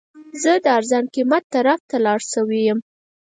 زه د ارزان قیمت طرف ته لاړ شوی یم.